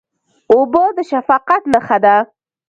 اوبه د شفقت نښه ده.